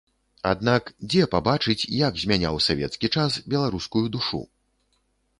Аднак дзе пабачыць, як змяняў савецкі час беларускую душу?